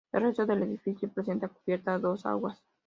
El resto del edificio presenta cubierta a dos aguas.